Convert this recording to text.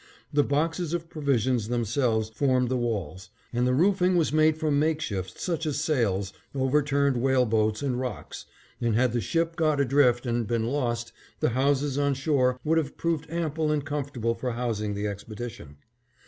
The boxes of provisions themselves formed the walls, and the roofing was made from makeshifts such as sails, overturned whale boats, and rocks; and had the ship got adrift and been lost, the houses on shore would have proved ample and comfortable for housing the expedition.